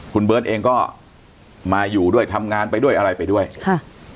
คุณเบิร์ตเองก็มาอยู่ด้วยทำงานไปด้วยอะไรไปด้วยค่ะ